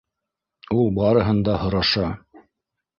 Ул барыһын да һораша.